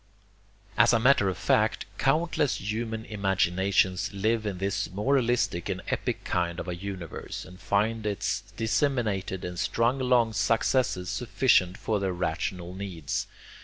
As a matter of fact countless human imaginations live in this moralistic and epic kind of a universe, and find its disseminated and strung along successes sufficient for their rational needs.